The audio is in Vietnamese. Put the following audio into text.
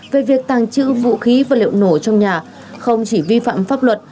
về việc tàng chữ vũ khí và liệu nổ trong nhà không chỉ vi phạm pháp luật